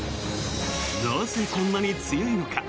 なぜ、こんなに強いのか？